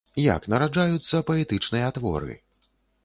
Як нараджаюцца паэтычныя творы?